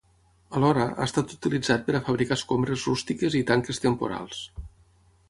Alhora, ha estat utilitzat per a fabricar escombres rústiques i tanques temporals.